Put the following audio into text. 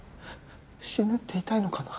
死ぬって痛いのかな？